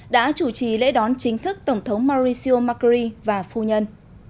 đã chủ trì lễ đón chính thức tổng thống mauricio macri và phu nhân